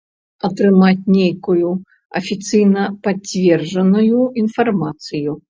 Атрымаць нейкую афіцыйна пацверджаную інфармацыю.